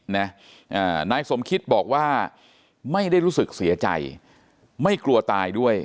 นายสมคิตบอกว่าไม่ได้รู้สึกเสียใจไม่กลัวตายด้วย